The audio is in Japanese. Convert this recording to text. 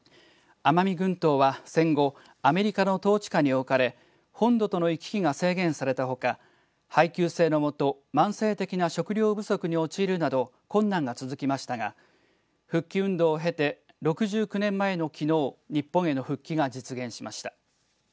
奄美群島は戦後アメリカの統治下に置かれ本島本土との行き来が制限されたほか、配給制の下慢性的な食糧不足に陥るなど困難が続きましたが復帰運動を経て６９年前のきのう日本への復帰が実現しました。